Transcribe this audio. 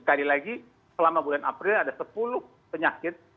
sekali lagi selama bulan april ada sepuluh penyakit